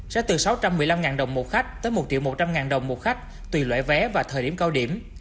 sẽ từ sáu trăm một mươi năm đồng một khách tới một một trăm linh đồng một khách tùy loại vé và thời điểm cao điểm